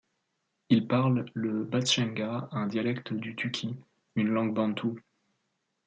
Ils parlent le batschenga, un dialecte du tuki, une langue bantoue.